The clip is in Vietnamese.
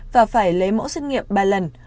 và phải lấy mẫu xét nghiệm ba lần